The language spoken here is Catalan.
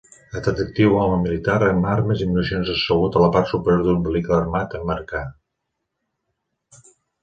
Atractiu home militar amb armes i municions assegut a la part superior d'un vehicle armat amb marcar.